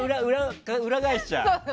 裏返しちゃう。